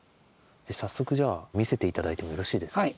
早速じゃあ見せて頂いてもよろしいですか？